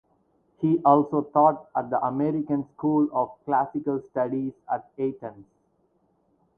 He also taught at the American School of Classical Studies at Athens.